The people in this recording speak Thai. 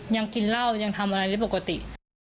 ยังกินเหล้ายังทำอะไรไม่ปกติ